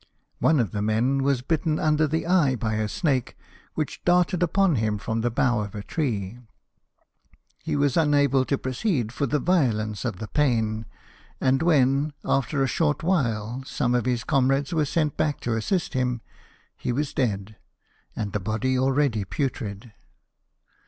One of the men was bitten under the eye by a snake, which darted upon him from the bough of a tree. He was unable to proceed for the violence of the pain ; and when, after a short while, some of his comrades were sent back to assist him, he was dead, and the body already putrid.